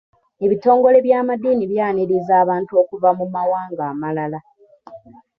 Ebitongole by'amaddiini byaniriza abantu okuva mu mawanga amalala.